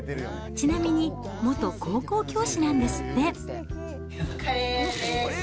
ちなみに、元高校教師なんですっ